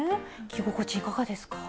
着心地いかがですか？